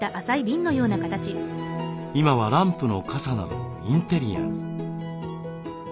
今はランプのかさなどインテリアに。